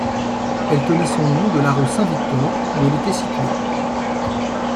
Elle tenait son nom de la rue Saint-Victor où elle était située.